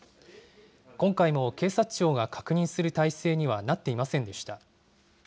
今回も警察庁が確認する態勢にはなっていませんでした。